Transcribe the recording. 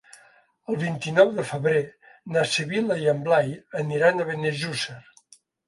El vint-i-nou de febrer na Sibil·la i en Blai aniran a Benejússer.